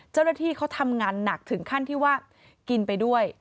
เจ้าหน้าที่เขาทำงานหนักถึงขั้นที่ว่ากินไปด้วย